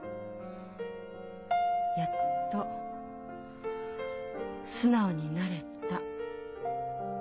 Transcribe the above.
やっと素直になれた。